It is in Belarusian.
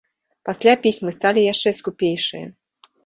Пасля пісьмы сталі яшчэ скупейшыя.